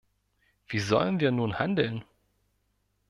Wie sollen wir nun handeln?